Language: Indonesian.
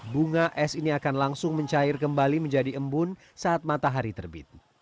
bunga es ini akan langsung mencair kembali menjadi embun saat matahari terbit